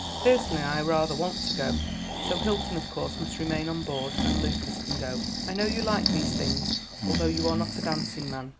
Personally I rather want to go. So Hilton of course must remain on board, and Lucas can go. I know you like these things, although you are not a dancing man.